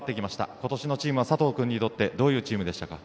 今年のチームは佐藤君にとってどういうチームでしたか？